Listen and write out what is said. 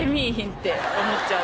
って思っちゃう。